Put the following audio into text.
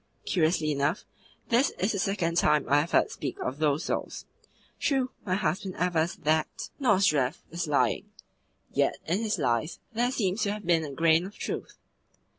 Curiously enough, this is the second time I have heard speak of those souls. True, my husband avers that Nozdrev was lying; yet in his lies there seems to have been a grain of truth."